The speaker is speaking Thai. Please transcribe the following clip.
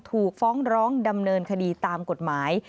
ถูกฟ้องร้องดำเนินคดีตามกฎหมาย